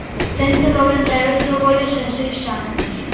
Cento noventa e oito goles en seis anos.